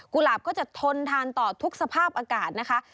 หลาบก็จะทนทานต่อทุกสภาพอากาศนะคะ